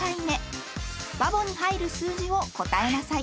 ［「バボ」に入る数字を答えなさい］